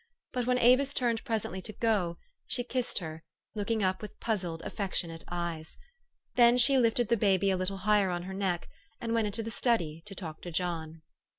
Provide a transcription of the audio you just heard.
But, when Avis turned presently to go, she kissed her, looking up with puzzled, affectionate eyes. Then she lifted the baby a little higher on her neck, and went into the study to talk to John.